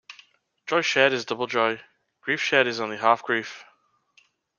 Joy shared is double joy; grief shared is only half grief.